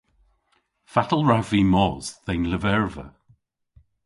Fatel wrav vy mos dhe'n lyverva?